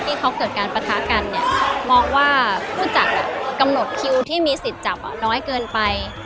ที่เขาเกิดการปะทะกันเนี่ยมองว่าผู้จัดกำหนดคิวที่มีสิทธิ์จับน้อยเกินไป